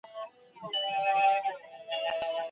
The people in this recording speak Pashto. افغانستان د نورو هېوادونو کډوالو ته ځای نه ورکوي.